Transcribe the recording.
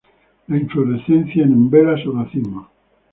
Las inflorescencias en umbelas o racimos.